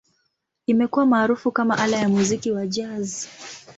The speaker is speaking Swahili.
Imekuwa maarufu kama ala ya muziki wa Jazz.